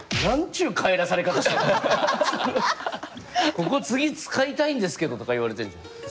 「ここ次使いたいんですけど」とか言われてるじゃん。